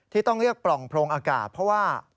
ที่ต้องเรียกปล่องโพรงอากาศเพราะว่า